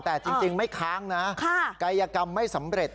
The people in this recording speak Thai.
แต่จริงไม่ค้างนะกายกรรมไม่สำเร็จ